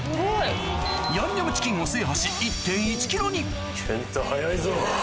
ヤンニョムチキンを制覇し健太早いぞ。